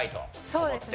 そうですね。